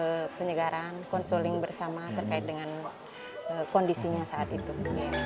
kita harus lebih baik untuk kejayaan yang lebih baik